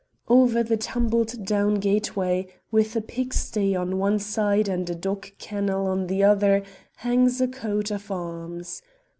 Over the tumble down gate way, with a pigsty on one side and a dog kennel on the other, hangs a coat of arms.